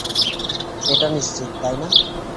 এটা নিশ্চিত, তাই না?